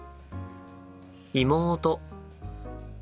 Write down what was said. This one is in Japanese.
妹。